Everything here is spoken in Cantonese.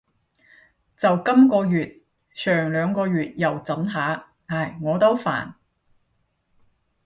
就今个月，上兩個月又准下。唉，我都煩